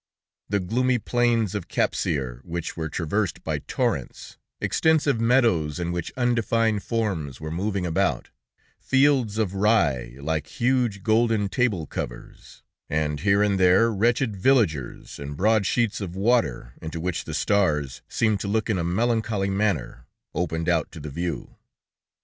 The gloomy plains of Capsir, which were traversed by torrents, extensive meadows in which undefined forms were moving about, fields of rye, like huge golden table covers, and here and there wretched villagers, and broad sheets of water, into which the stars seemed to look in a melancholy manner, opened out to the view.